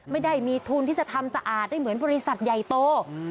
ไม่ได้มีทุนที่จะทำสะอาดได้เหมือนบริษัทใหญ่โต